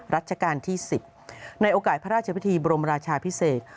รัชกาลที่๑๐ในโอกาสพระราชพิธีบรมราชาพิเศษ